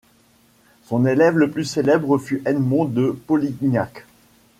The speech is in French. Son élève le plus célèbre fut Edmond de Polignac.